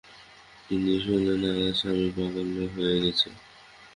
তিনি শোনেন, তার স্বামী পাগল হয়ে গেছেন।